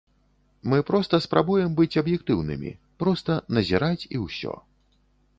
Мы проста спрабуем быць аб'ектыўнымі, проста назіраць і ўсё.